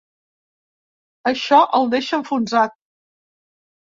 Això el deixa enfonsat.